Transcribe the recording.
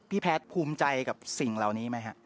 แพทย์ภูมิใจกับสิ่งเหล่านี้ไหมฮะ